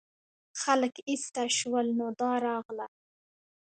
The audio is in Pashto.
خلک ایسته شول نو دا راغله.